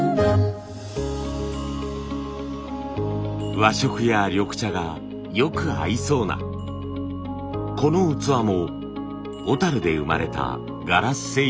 和食や緑茶がよく合いそうなこの器も小で生まれたガラス製品です。